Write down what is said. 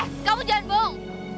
eh kamu jangan bohong